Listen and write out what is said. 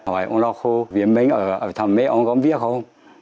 hỏi ông lọc hô viên minh ở thảm mê ông có biết không